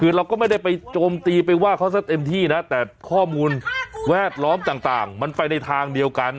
คือเราก็ไม่ได้ไปโจมตีไปว่าเขาซะเต็มที่นะแต่ข้อมูลแวดล้อมต่างมันไปในทางเดียวกัน